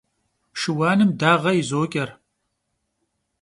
Şşıuanım dağe yizoç'er.